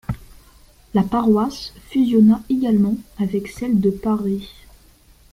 La paroisse fusionna également avec celle de Parey.